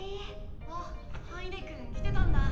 あっ羽稲くん来てたんだ。